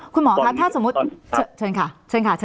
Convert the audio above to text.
คุณหมอครับถ้าสมมุติเชิญค่ะ